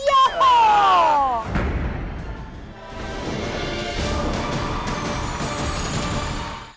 ย้าห้อ